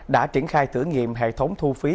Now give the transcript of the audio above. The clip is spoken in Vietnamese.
đã triển khai thử nghiệm hệ thống thu phí